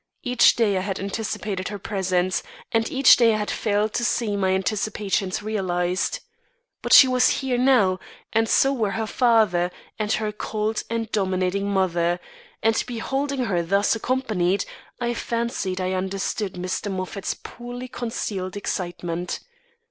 Each day I had anticipated her presence, and each day I had failed to see my anticipations realised. But she was here now, and so were her father and her cold and dominating mother; and, beholding her thus accompanied, I fancied I understood Mr. Moffat's poorly concealed excitement.